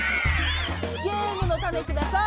ゲームのタネください。